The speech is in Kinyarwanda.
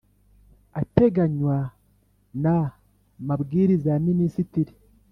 ateganywa na mabwiriza ya minisitiri